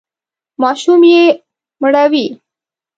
ماشوم یې مړوئ!